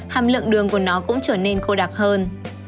hàm lượng đường của nó cũng trở nên khô đặc hơn